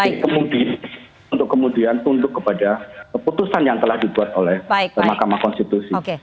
kemudian tunduk kepada keputusan yang telah dibuat oleh mahkamah konstitusi